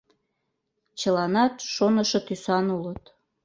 Чыланат шонышо тӱсан улыт.